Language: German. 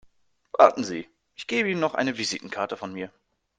Warten Sie, ich gebe Ihnen noch eine Visitenkarte von mir.